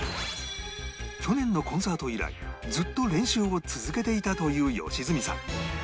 去年のコンサート以来ずっと練習を続けていたという良純さん